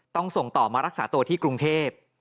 ส่งต่อมารักษาตัวที่กรุงเทพ